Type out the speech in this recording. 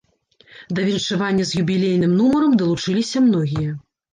Да віншавання з юбілейным нумарам далучыліся многія.